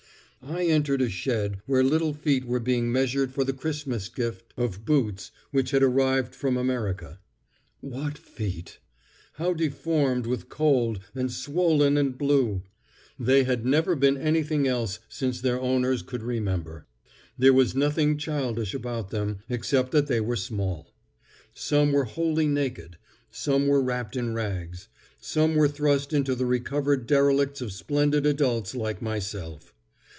I entered a shed where little feet were being measured for the Christmas gift of boots which had arrived from America. What feet! How deformed with cold, and swollen and blue! They lad never been anything else since their owners could remember. There was nothing childish about them, except that they were small. Some were wholly naked; some were wrapped in rags; some were thrust into the recovered derelicts of splendid adults like myself.